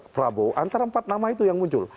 prabowo antara empat nama itu yang muncul